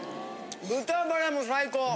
豚バラも最高！